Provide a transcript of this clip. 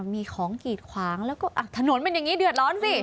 มีของกีดขวางแล้วก็ถนนเป็นอย่างนี้เดือดร้อนสิ